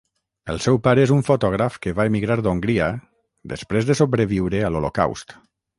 El seu pare és un fotògraf que va emigrar d'Hongria, després de sobreviure a l'Holocaust.